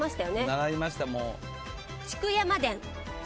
・習いましたもう。